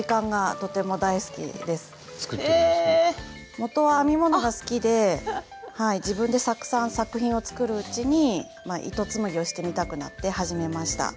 もとは編み物が好きで自分でたくさん作品を作るうちに糸紡ぎをしてみたくなって始めました。